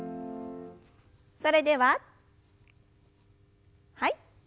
それでははい。